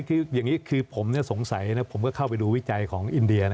คืออย่างนี้คือผมสงสัยนะผมก็เข้าไปดูวิจัยของอินเดีย